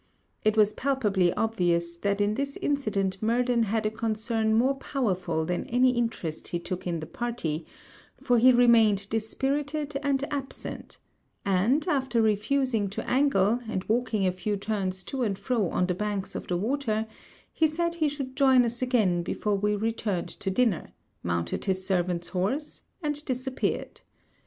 It was palpably obvious, that in this incident Murden had a concern more powerful than any interest he took in the party, for he remained dispirited and absent; and, after refusing to angle, and walking a few turns to and fro on the banks of the water, he said he should join us again before we returned to dinner, mounted his servant's horse, and disappeared.